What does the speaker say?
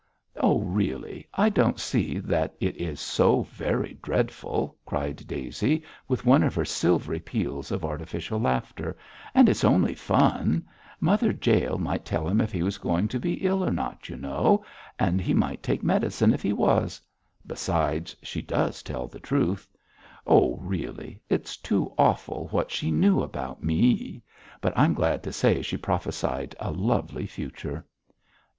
'Oh, really, I don't see that it is so very dreadful,' cried Daisy, with one of her silvery peals of artificial laughter, 'and it's only fun. Mother Jael might tell him if he was going to be ill or not, you know, and he could take medicine if he was. Besides, she does tell the truth; oh, really, it's too awful what she knew about me. But I'm glad to say she prophesied a lovely future.'